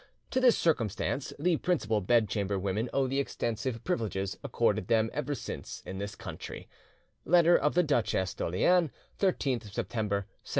To this circumstance the principal bed chamber women owe the extensive privileges accorded them ever since in this country" (Letter of the Duchesse d'Orleans, 13th September 1713).